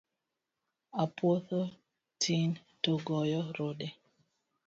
Apuoyo tin to goyo rude